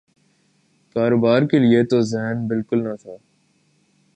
کاروبار کیلئے تو ذہن بالکل نہ تھا۔